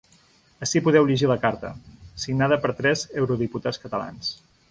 Ací podeu llegir la carta, signada per tres eurodiputats catalans.